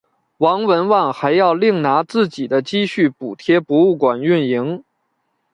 王文旺还要另拿自己的积蓄补贴博物馆运营。